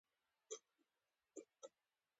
لالیه ! خلک دغه اور ته تودوي لاسونه